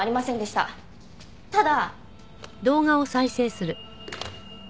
ただ。